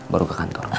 baru ke kantor